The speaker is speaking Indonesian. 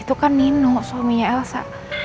itu kan nino suaminya elsa